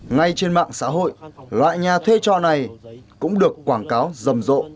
ngay trên mạng xã hội loại nhà thuê trọ này cũng được quảng cáo rầm rộ